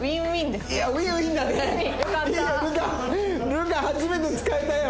流佳初めて使えたよ！